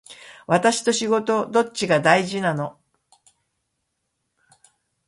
私と仕事どっちが大事なの